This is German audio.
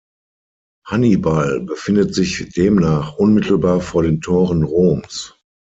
Hannibal befindet sich demnach unmittelbar vor den Toren Roms.